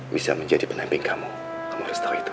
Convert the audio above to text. bisa menjadi pendamping kamu kamu harus tahu itu